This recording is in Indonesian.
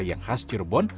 yang khas cirebon